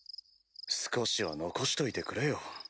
少しは残しといてくれよ。